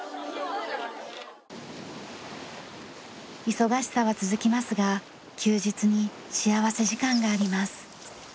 忙しさは続きますが休日に幸福時間があります。